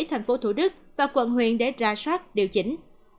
tp thủ đức và quận huyện để ra soát điều chỉnh